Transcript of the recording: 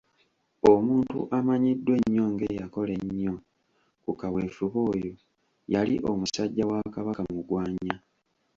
omuntu amanyiddwa ennyo ng‘eyakola ennyo ku kaweefube oyo yali Omusajja wa Kabaka Mugwanya.